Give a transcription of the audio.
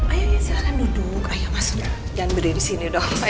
ayolah silahkan duduk ayo masuk jangan berdiri di sini dong